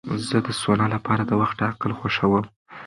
زه د سونا لپاره د وخت ټاکل خوښوم.